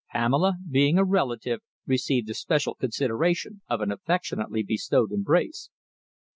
Pamela, being a relative, received the special consideration of an affectionately bestowed embrace.